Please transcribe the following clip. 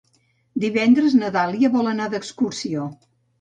Divendres na Dàlia vol anar d'excursió.